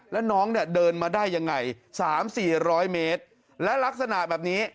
แล้วน้องเนี่ยเดินมาได้ยังไง๓๔๐๐เมตรและลักษณะแบบนี้